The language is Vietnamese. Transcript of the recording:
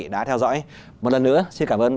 đã theo dõi một lần nữa xin cảm ơn